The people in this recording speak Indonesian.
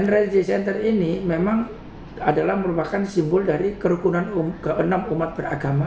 ragam rumah ibadah ini merupakan simbol kerukunan antar umat beragama